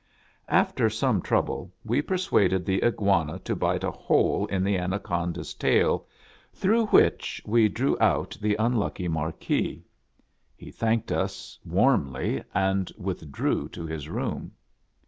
After some trouble we persuaded the Iguana to bite a hole in the Anaconda's tail, through which we STUFFING THE ANACONDA. 23 THE WEDDING. drew out the unlucky Marquis. He thanked us warmly, and withdrew to his room.